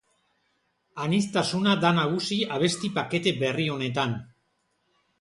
Aniztasuna da nagusi abesti pakete berri honetan.